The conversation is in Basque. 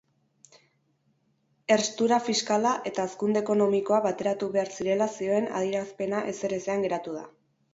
Herstura fiskala eta hazkunde ekonomikoa bateratu behar zirela zioen adierazpena ezerezean geratu da.